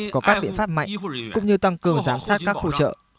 có các biện pháp mạnh cũng như tăng cường giám sát các khu chợ